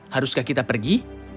haruskah kita pergi